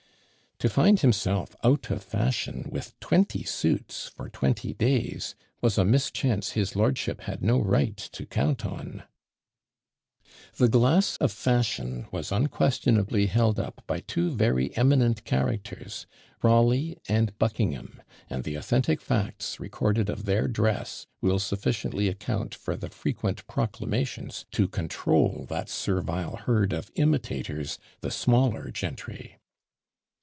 To find himself out of fashion, with twenty suits for twenty days, was a mischance his lordship had no right to count on! "The glass of fashion" was unquestionably held up by two very eminent characters, Rawleigh and Buckingham; and the authentic facts recorded of their dress will sufficiently account for the frequent "Proclamations" to control that servile herd of imitators the smaller gentry!